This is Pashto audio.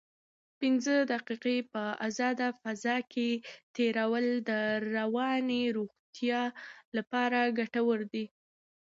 پنځه دقیقې په ازاده فضا کې تېرول د رواني روغتیا لپاره ګټور دي.